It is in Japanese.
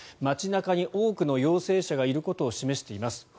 街中に多くの陽性者がいることを示しています